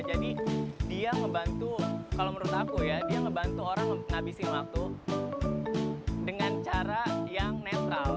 jadi dia ngebantu kalau menurut aku ya dia ngebantu orang nabisin waktu dengan cara yang netral